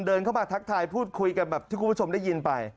เดินเข้ามาทักทายพูดคุยกันแบบที่คุณผู้ชมได้ยินไป